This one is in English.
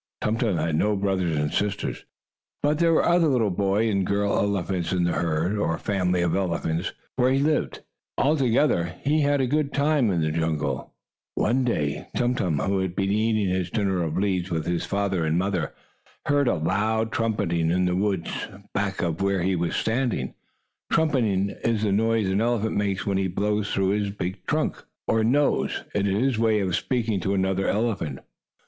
Tum Tum had no brothers or sisters, but there were other little boy and girl elephants in the herd, or family of elephants, where he lived, and, altogether, he had a good time in the jungle, Tum Tum did. One day Tum Tum, who had been eating his dinner of leaves, with his father and mother, heard a loud trumpeting in the woods back of where he was standing. Trumpeting is the noise an elephant makes when he blows through his long trunk, or nose. It is his way of speaking to another elephant.